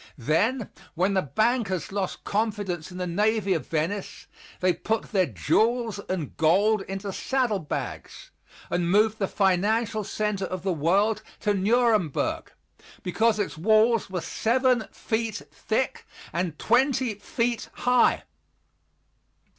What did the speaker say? Then when the bankers lost confidence in the navy of Venice they put their jewels and gold into saddle bags and moved the financial center of the world to Nuremburg, because its walls were seven feet thick and twenty feet high.